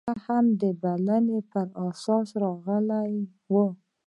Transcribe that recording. هغه هم د بلنې پر اساس راغلی و.